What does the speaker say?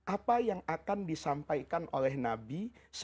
apa yang akan disampaikan oleh nabi